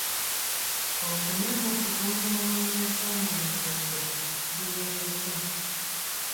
Okunywa n'okutunda omwenge gw'omubuveera biwereddwa.